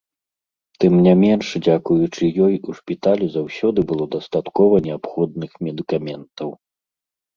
Тым не менш, дзякуючы ёй, у шпіталі заўсёды было дастаткова неабходных медыкаментаў.